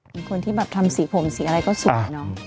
เป็นคนที่แบบทำสีผมสีอะไรก็สวยเนอะ